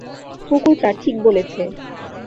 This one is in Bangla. কুকুরটা ঠিক বলেছে।